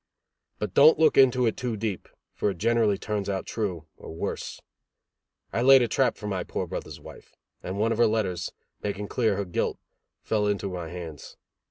But don't look into it too deep, for it generally turns out true, or worse. I laid a trap for my poor brothers wife, and one of her letters, making clear her guilt, fell into my hands.